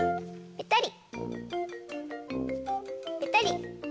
ぺたり。